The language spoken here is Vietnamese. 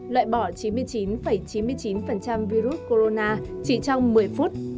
loại bỏ chín mươi chín chín mươi chín virus corona chỉ trong một mươi phút